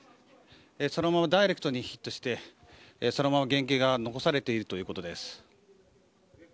そのままダイレクトにヒットしてそのまま原型が残されているということです。